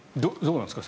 どうなんですか？